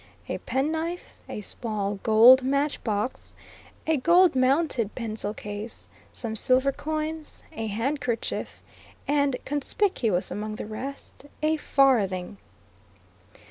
A penknife, a small gold matchbox, a gold mounted pencil case, some silver coins, a handkerchief, and conspicuous among the rest, a farthing.